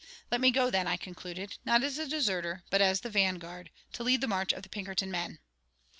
"Let me go then," I concluded; "not as a deserter, but as the vanguard, to lead the march of the Pinkerton men."